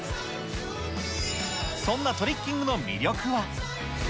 そんなトリッキングの魅力は？